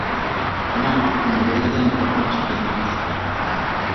ئۇنىڭ ئاپتوموبىلىدىن بىر قانچە قىزمۇ چۈشتى.